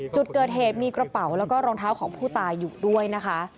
จุดเกิดเหตุมีกระเป๋าและตาวของผู้ตายอยู่ด้วยนะคะ